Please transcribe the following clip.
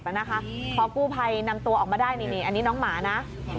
พอกู้ภัยนำตัวออกมาได้นี่อันนี้น้องหมานะ